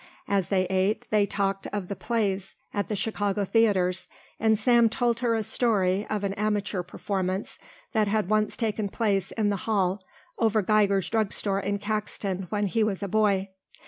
As they ate, they talked of the plays at the Chicago theatres, and Sam told her a story of an amateur performance that had once taken place in the hall over Geiger's drug store in Caxton when he was boy.